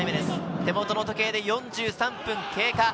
手元の時計で４３分経過。